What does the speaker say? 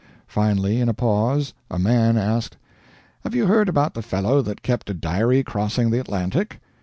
Finally, in a pause, a man asked, "Have you heard about the fellow that kept a diary crossing the Atlantic?"